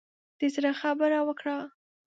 د زړه خبره وکړه.